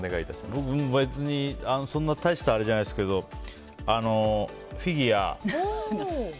僕も別にそんな大したあれじゃないですけど自信のない字。